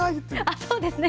あっそうですね。